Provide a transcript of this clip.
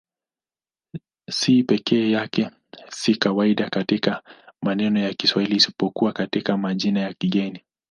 C peke yake si kawaida katika maneno ya Kiswahili isipokuwa katika majina ya kigeni.